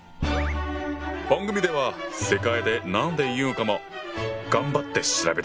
番組では世界で何て言うのかも頑張って調べたぞ！